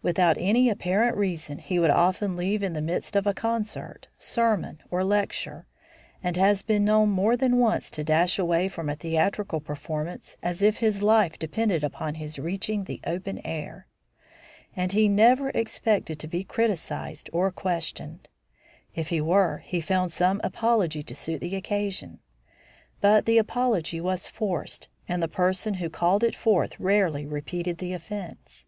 Without any apparent reason, he would often leave in the midst of concert, sermon, or lecture, and has been known more than once to dash away from a theatrical performance as if his life depended upon his reaching the open air. And he never expected to be criticised or questioned. If he were, he found some apology to suit the occasion; but the apology was forced, and the person who called it forth rarely repeated the offence.